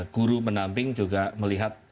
guru pendamping juga melihat